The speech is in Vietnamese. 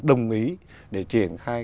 đồng ý để triển khai